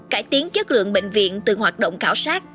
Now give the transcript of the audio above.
cải tiến chất lượng bệnh viện từ hoạt động khảo sát